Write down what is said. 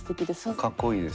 かっこいいです。